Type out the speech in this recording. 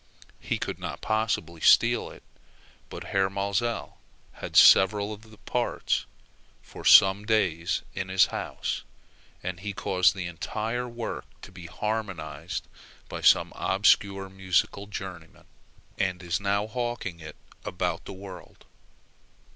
He could not possibly steal it; but Herr Maelzel had several of the parts for some days in his house, and he caused the entire work to be harmonized by some obscure musical journeyman, and is now hawking it about the world.